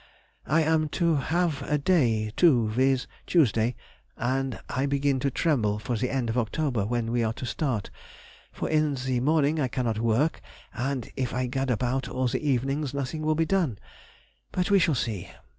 I am to have a day too, viz., Tuesday, and I begin to tremble for the end of October, when we are to start, for in the morning I cannot work, and if I gad about all the evenings nothing will be done. But we shall see!